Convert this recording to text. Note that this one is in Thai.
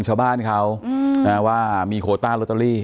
อ๋อเจ้าสีสุข่าวของสิ้นพอได้ด้วย